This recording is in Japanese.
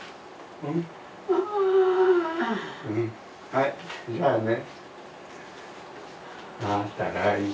はいじゃあね。